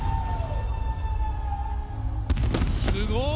すごい！